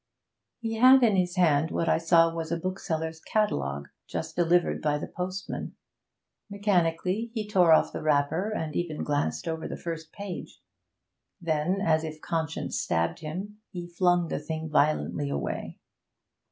He had in his hand what I saw was a bookseller's catalogue, just delivered by the postman. Mechanically he tore off the wrapper and even glanced over the first page. Then, as if conscience stabbed him, he flung the thing violently away.